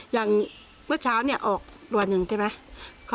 อย่างเมื่อเช้านี่ออกเรือนนึงใช่ไหม